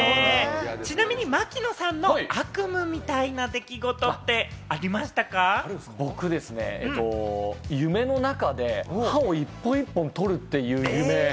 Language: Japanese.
ちなみに槙野さんの悪夢みたいな出来事ってありまし僕ですね、夢の中で歯を一本一本、取るっていう夢。